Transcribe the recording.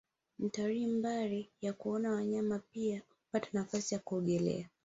Mtalii mbali ya kuona wanyama pia huapata nafasi ya kuogelea